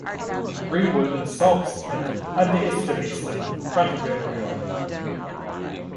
Greenwood insults and underestimates them in front of everyone.